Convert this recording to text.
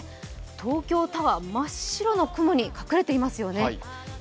東京タワー、真っ白の雲に隠れていますよね。